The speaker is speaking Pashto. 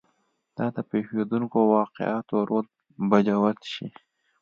دا د پېښېدونکو واقعاتو رول به جوت شي.